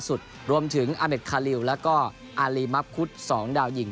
สุดรวมถึงอเมฆคาลิวแล้วก็อารีมัพคุทสองดาวหญิง